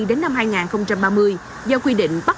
đến năm hai nghìn ba mươi do quy định